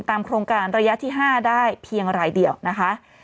โครงการระยะที่๕ได้เพียงรายเดียวนะคะ